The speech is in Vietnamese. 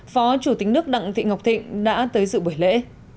phó chủ tính nước đặng thị ngọc thịnh đã tới dự bởi lễ